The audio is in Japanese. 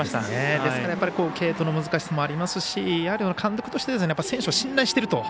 ですから、継投の難しさもありますし監督として選手を信頼してると。